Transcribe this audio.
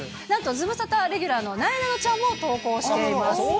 なんとズムサタレギュラーのなえなのちゃんも投稿しています。